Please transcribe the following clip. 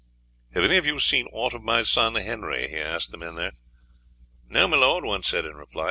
"] "Have any of you seen aught of my son Henry?" he asked the men there. "No, my lord," one said in reply.